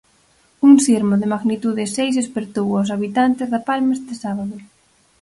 Un sismo de magnitude seis espertou os habitantes da Palma este sábado.